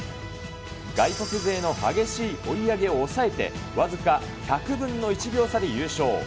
外国勢の激しい追い上げを抑えて、僅か１００分の１秒差で優勝。